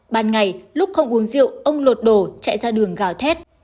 ban ngày lúc không uống rượu ông lột đổ chạy ra đường gào thét